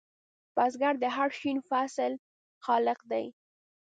بزګر د هر شین فصل خالق دی